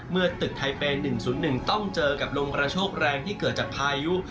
เมื่อตึกไทเปย์๑๐๑ต้องเจอกับลมกระโชคแรงที่เกิดจากพายุ